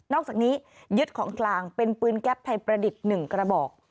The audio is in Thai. อกจากนี้ยึดของกลางเป็นปืนแก๊ปไทยประดิษฐ์๑กระบอก